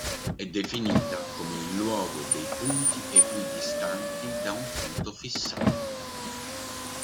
È definita come il luogo dei punti equidistanti da un punto fissato.